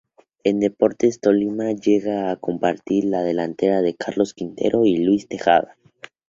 En Deportes Tolima llega a compartir la delantera con Carlos Quintero y Luis Tejada.